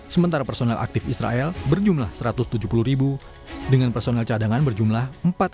sementara personel aktif israel berjumlah satu ratus tujuh puluh ribu dengan personel cadangan berjumlah empat ratus